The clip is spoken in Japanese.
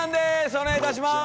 お願いいたします。